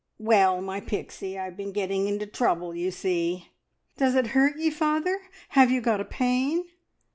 "Well, my Pixie, I've been getting into trouble, you see!" "Does it hurt ye, father? Have you got a pain?"